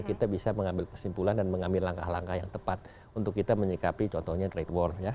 kita bisa mengambil kesimpulan dan mengambil langkah langkah yang tepat untuk kita menyikapi contohnya trade war